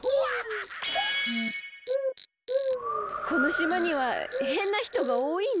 このしまにはへんなひとがおおいね。